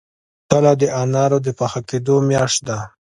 تله د انارو د پاخه کیدو میاشت ده.